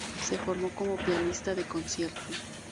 Se formó como pianista de concierto.